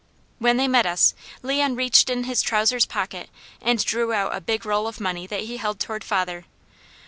When they met us, Leon reached in his trousers pocket and drew out a big roll of money that he held toward father.